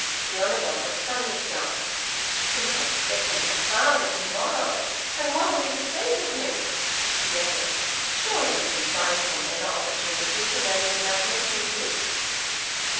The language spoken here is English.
Shiônagon was thunderstruck. "We are expecting her father to morrow, and what are we to say to him?" She added, "Surely, you can find some better opportunity to manage matters than this."